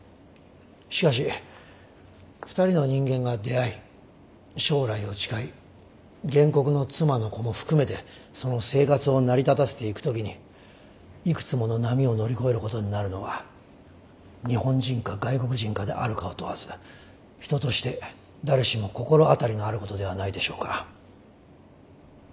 しかし２人の人間が出会い将来を誓い原告の妻の子も含めてその生活を成り立たせていく時にいくつもの波を乗り越えることになるのは日本人か外国人かであるかを問わず人として誰しも心当たりがあることではないでしょうか。